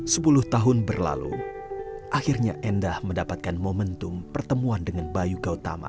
sepuluh tahun berlalu akhirnya endah mendapatkan momentum pertemuan dengan bayu gautama